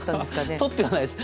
とってはないです。